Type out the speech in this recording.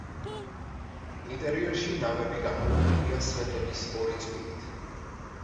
ინტერიერში ნავები გამოყოფილია სვეტების ორი წყვილით.